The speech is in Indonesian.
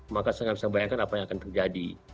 maka saya nggak bisa bayangkan apa yang akan terjadi